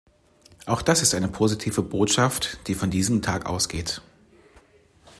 Auch das ist eine positive Botschaft, die von diesem Tag ausgeht.